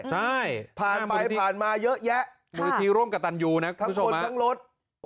ใช่ผ่านไปผ่านมาเยอะแยะมูลนิธิร่วมกับตันยูนะทั้งคนทั้งรถ